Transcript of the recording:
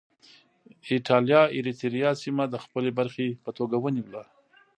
اېټالیا اریتیریا سیمه د خپلې برخې په توګه ونیوله.